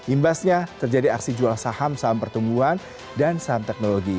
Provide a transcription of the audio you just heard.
imbasnya terjadi aksi jual saham saham pertumbuhan dan saham teknologi